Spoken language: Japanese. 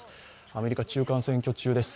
アメリカ中間選挙中です。